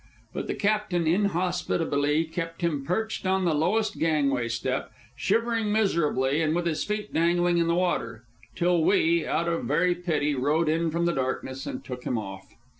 But the captain inhospitably kept him perched on the lowest gangway step, shivering miserably and with his feet dangling in the water, till we, out of very pity, rowed in from the darkness and took him off.